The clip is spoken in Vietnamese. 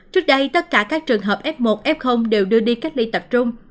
trước đây tất cả các trường hợp f một f đều đưa đi cách ly tập trung